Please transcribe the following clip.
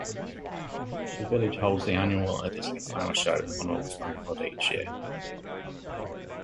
The village holds the annual Eardisley Flower Show on August Bank Holiday each year.